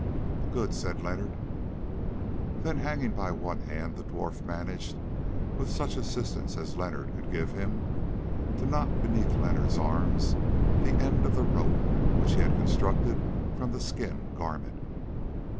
"Good!" said Leonard. Then hanging by one hand the dwarf managed, with such assistance as Leonard could give him, to knot beneath Leonard's arms the end of the rope which he had constructed from the skin garment.